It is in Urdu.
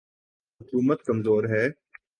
حکومت کمزور ہے۔